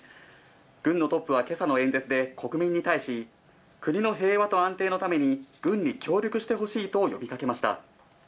軍のトップはけさの演説で、国民に対し、国の平和と安定のために、軍に協力してほしいと呼びかけました。